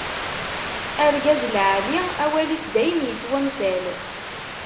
Argaz lɛali, awal-is dayem ittwamsal.